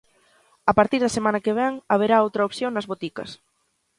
A partir da semana que vén, haberá outra opción nas boticas.